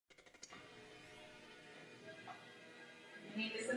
Převažujícím prostředím v podstatné části vývoje slonů byly lesy.